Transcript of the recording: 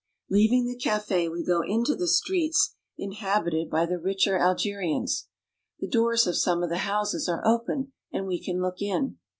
Leaving the caf^, we go. into the streets inhabited by the richer Algerians. The doors of some of the houses are open, and we can look in.